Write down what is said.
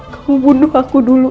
kamu bunuh aku dulu